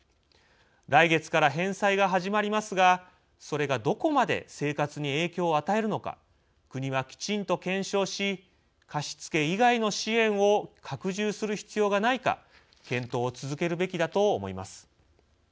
来月から返済が始まりますがそれがどこまで生活に影響を与えるのか国は、きちんと検証し貸付以外の支援を拡充する必要がないか検討を続けるべきだと思います。